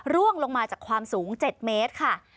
ร่วงลงมาจากความสูง๗เมตรค่ะ